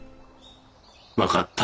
分かった。